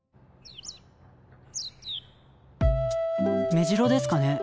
メジロですかねあの鳥。